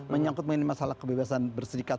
menyangkut mengenai masalah kebebasan berserikat